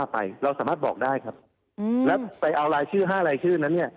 ไปเอารายชื่อ๕รายชื่อนั้น